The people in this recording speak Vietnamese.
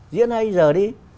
diễn hay dở đi